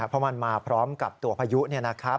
เพราะมันมาพร้อมกับตัวพายุนี่นะครับ